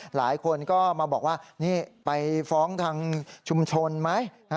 หลายคนก็มาบอกว่านี่ไปฟ้องทางชุมชนไหม